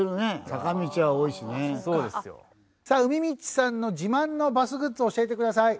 さあうみみちさんの自慢のバスグッズを教えてください。